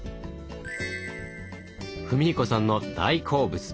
史彦さんの大好物！